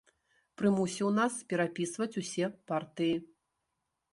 Прымусіў нас перапісваць усе партыі.